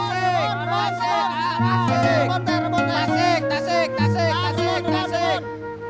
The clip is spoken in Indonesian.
tasik tasik tasik